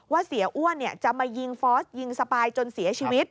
เสียอ้วนจะมายิงฟอสยิงสปายจนเสียชีวิต